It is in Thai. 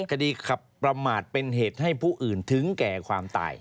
คดีขับประมาทเป็นเหตุให้ผู้อื่นถึงแก่ความตาย